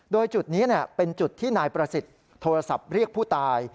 โดยจุดนี้เป็นจุดที่นายประสิทธิ์โทรศัพท์เรียกผู้ตาย